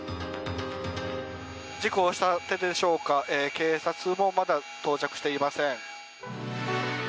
事故をした手でしょうか警察もまだ到着していません。